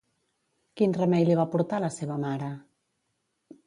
Quin remei li va portar la seva mare?